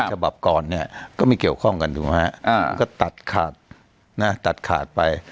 ฉบับก่อนเนี่ยก็ไม่เกี่ยวข้องกันถูกไหมคุณก็ตัดขาดไป